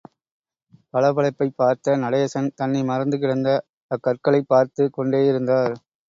பளபளப்பைப் பார்த்த நடேசன், தன்னை மறந்து, கிடந்த அக்கற்களைப் பார்த்துக் கொண்டேயிருந்தார்.